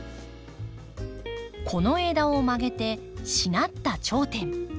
この枝を曲げてしなった頂点。